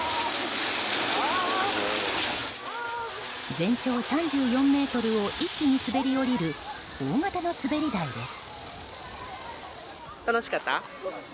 全長３４ｍを一気に滑り降りる大型の滑り台です。